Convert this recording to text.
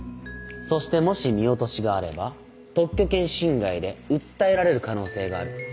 そしてもし見落としがあれば特許権侵害で訴えられる可能性がある。